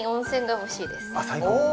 最高。